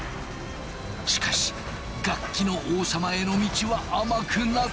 しかし楽器の王様への道は甘くなかった！